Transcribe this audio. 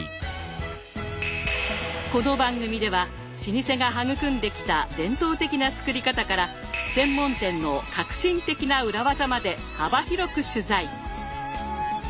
この番組では老舗が育んできた伝統的な作り方から専門店の革新的な裏技まで幅広く取材。